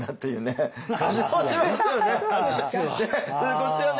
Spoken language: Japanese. こっちはね